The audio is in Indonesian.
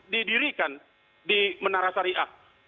didirikan di menara syariah